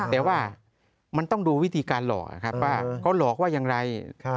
แต่ว่ามันต้องดูวิธีการหลอกครับว่าเขาหลอกว่าอย่างไร